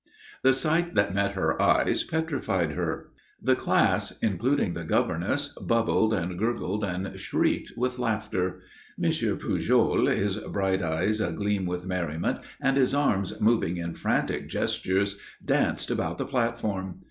The sight that met her eyes petrified her. The class, including the governess, bubbled and gurgled and shrieked with laughter. M. Pujol, his bright eyes agleam with merriment and his arms moving in frantic gestures, danced about the platform.